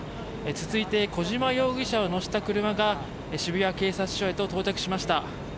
続いて小島容疑者を乗せた車が渋谷警察署へと到着しました。